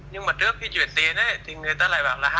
nhưng mà trước khi chuyển tiền thì người ta lại bảo là